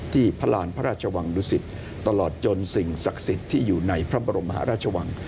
พระราณพระราชวังดุสิตตลอดจนสิ่งศักดิ์สิทธิ์ที่อยู่ในพระบรมมหาราชวัง